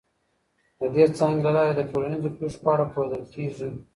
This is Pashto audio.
د دې څانګې له لاري د ټولنیزو پیښو په اړه پوهیدل کیږي.